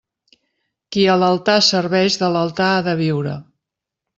Qui a l'altar serveix de l'altar ha de viure.